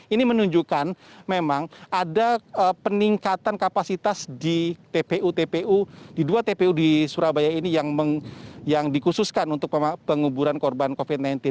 ini menunjukkan memang ada peningkatan kapasitas di tpu tpu di dua tpu di surabaya ini yang dikhususkan untuk penguburan korban covid sembilan belas